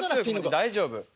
大丈夫。